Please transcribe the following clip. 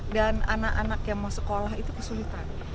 dan anak anak yang mau sekolah itu kesulitan